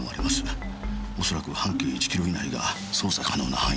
恐らく半径１キロ以内が操作可能な範囲だと。